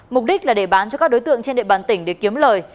mục đích là để bán cho các đối tượng trên địa bàn tỉnh để kiếm lời